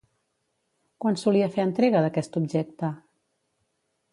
Quan solia fer entrega d'aquest objecte?